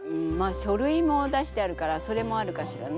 書類も出してあるからそれもあるかしらね。